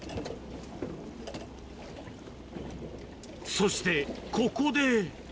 そして、ここで。